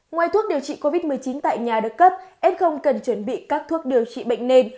ngoài thuốc điều trị covid một mươi chín tại nhà đất cấp ép không cần chuẩn bị các thuốc điều trị bệnh nền